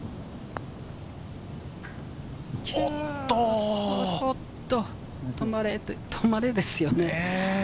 おっと、止まれ、ですよね。